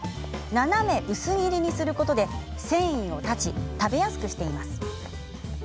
斜め薄切りにすることで繊維を断ち食べやすくしています。